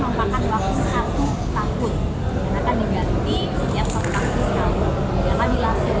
dan kiswah yang dikerjakan di sini